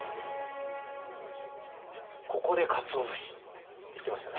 ここでかつお節って言ってましたね。